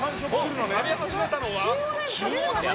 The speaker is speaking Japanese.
食べ始めたのは中央ですね。